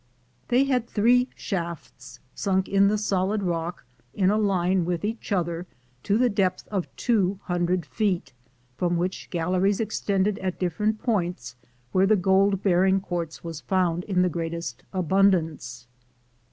"■ They had three shafts sunk in the solid rock, in a line with each other, to the depth of two hundred feet, from which galleries extended at different points, where the gold bearing quartz was found in the greatest abundance.